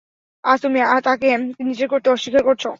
আজ, তুমি তাকে নিজের করতে অস্বীকার করছো।